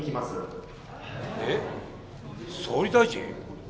えっ総理大臣？